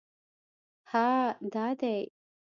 _هه! دا دی!